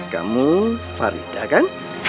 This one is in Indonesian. kamu farida kan